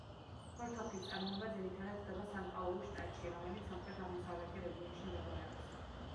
ფორთოხლის წარმოება ძირითადად ხდება სან-პაულუს შტატში, რომელიც სამხრეთ-აღმოსავლეთი რეგიონში მდებარეობს.